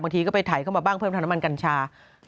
บางทีก็ไปถ่ายเข้ามาบ้างเพื่อทำน้ำมันกัญชา